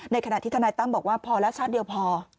ขณะที่ทนายตั้มบอกว่าพอแล้วชาติเดียวพอ